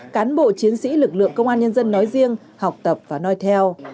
cán bộ chiến sĩ lực lượng công an nhân dân nói riêng học tập và nói theo